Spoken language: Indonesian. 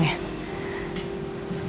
nggak usah nyari